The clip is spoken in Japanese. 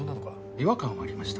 違和感はありました。